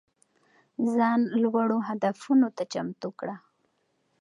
ځان لوړو هدفونو ته چمتو کړه.